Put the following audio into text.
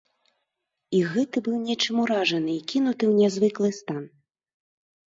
І гэты быў нечым уражаны і кінуты ў нязвыклы стан.